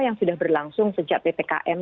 yang sudah berlangsung sejak ppkm